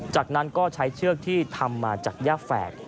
จากนั้นก็ใช้เชือกที่ทำมาจากย่าแฝด